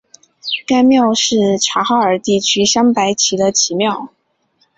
该庙是察哈尔地区镶白旗的旗庙。